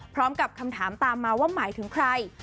พร้อมกับคำถามตามมาว่าหมายถึงใคร